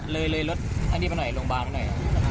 เลยเลยรถอันนี้ไปหน่อยลงบ้านหน่อย